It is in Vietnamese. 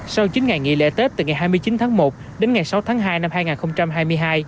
sau chín ngày nghỉ lễ tết từ ngày hai mươi chín tháng một đến ngày sáu tháng hai năm hai nghìn hai mươi hai